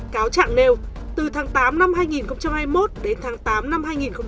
cáo trạng nêu từ tháng tám năm hai nghìn hai mươi một đến tháng tám năm hai nghìn hai mươi ba